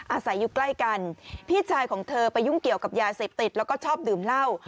อาศัยอยู่ใกล้กันพี่ชายของเธอไปยุ่งเกี่ยวกับยาเสพติดแล้วก็ชอบดื่มเหล้า